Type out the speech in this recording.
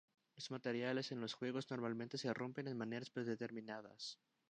Los materiales en los juegos normalmente se rompen en maneras predeterminadas.